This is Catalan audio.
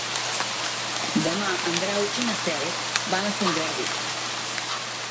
Demà en Grau i na Cel van a Sant Jordi.